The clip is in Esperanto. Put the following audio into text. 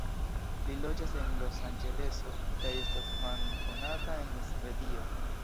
Li loĝas en Los-Anĝeleso kaj estas famkonata en Svedio.